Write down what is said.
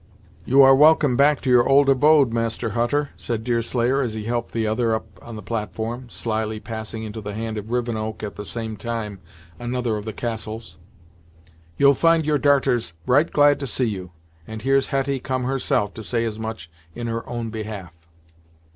"You are welcome back to your old abode, Master Hutter," said Deerslayer, as he helped the other up on the platform, slyly passing into the hand of Rivenoak, at the same time, another of the castles. "You'll find your darters right glad to see you, and here's Hetty come herself to say as much in her own behalf."